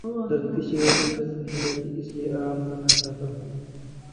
درد کی شدت اب سہی نہیں جاتی اس لیے آرام کرنا چاہتا ہوں۔